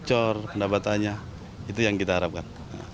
bocor pendapatannya itu yang kita harapkan